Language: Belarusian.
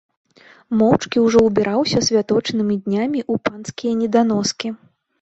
Моўчкі ўжо ўбіраўся святочнымі днямі ў панскія неданоскі.